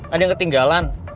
ada yang ketinggalan